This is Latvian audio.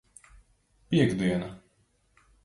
Piektdiena.